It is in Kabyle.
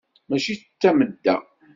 Mačči d tamedda.